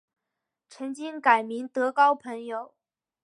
曾经改名德高朋友。